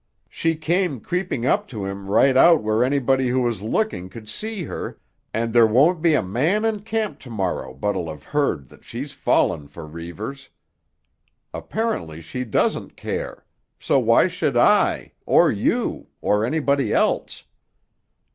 She came creeping up to him right out where anybody who was looking could see her, and there won't be a man in camp to morrow but'll have heard that she's fallen for Reivers. Apparently she doesn't care; so why should I, or you, or anybody else?